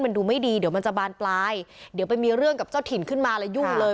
มันดูไม่ดีเดี๋ยวมันจะบานปลายเดี๋ยวไปมีเรื่องกับเจ้าถิ่นขึ้นมาแล้วยุ่งเลย